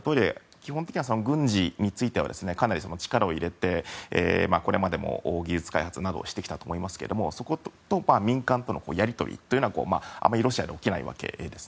基本的には軍事についてはかなり力を入れて技術開発などをしてきたと思いますけどもそこと民間とのやり取りというのはあまりロシアでは起きないわけです。